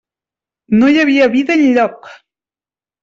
No hi havia vida enlloc!